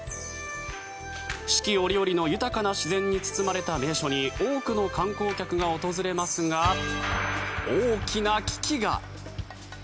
四季折々の豊かな自然に囲まれた名所に多くの観光客が訪れますが大きな危機が。